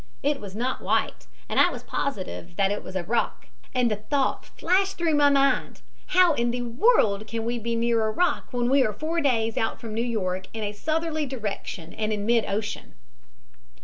It was not white, and I was positive that it was a rock, and the thought flashed through my mind, how in the world can we be near a rock when we are four days out from New York in a southerly direction and in mid ocean.